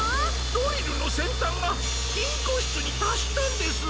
ドリルのせんたんがきんこしつにたっしたんです！